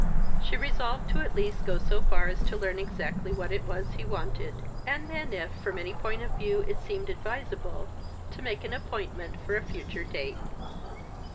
She resolved to at least go so far as to learn exactly what it was he wanted; and then if, from any point of view, it seemed advisable, to make an appointment for a future date.